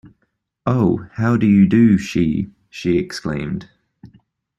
“Oh, how do you do, she!” she exclaimed.